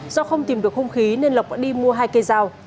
do không tìm được hung khí nên lộc đã đi mua hai cây dao